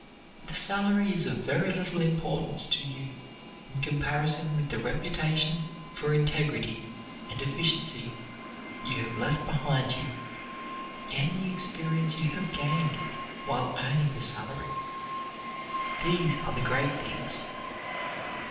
The salary is of very little importance to you in comparison with the reputation for integrity and efficiency you have left behind you and the experience you have gained while earning the salary. These are the great things.